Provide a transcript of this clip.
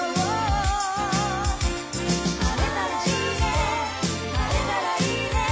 「晴れたらいいね晴れたらいいね」